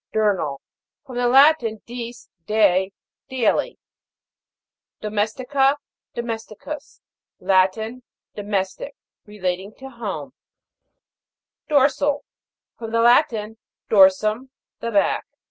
DIUR'NAL. From the Latin, dies day. Daily. DOMES'TICA. t Latin. Domestic ; re. DOMES'TICUS. \ lating to home. DOR'SAL. From the Latin, dorsum, the back.